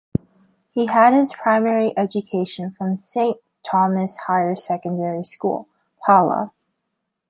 He had his primary education from Saint Thomas Higher Secondary School, Pala.